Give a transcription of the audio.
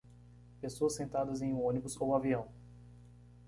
Pessoas sentadas em um ônibus ou avião.